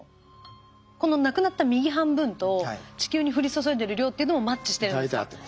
このなくなった右半分と地球に降り注いでる量っていうのもマッチしてるんですか？